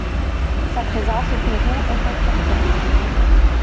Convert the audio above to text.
Sa présence au Pérou est incertaine.